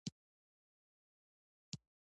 دا غروب ډېر ښکلی دی.